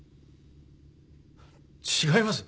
違います。